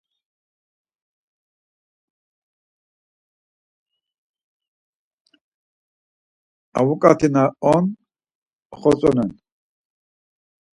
Avuǩat̆i na on oxotzonen.